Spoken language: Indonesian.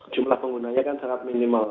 jumlah penggunanya kan sangat minimal